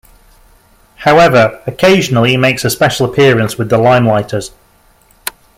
However, occasionally he makes a special appearance with the Limeliters.